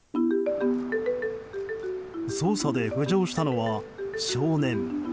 捜査で浮上したのは少年。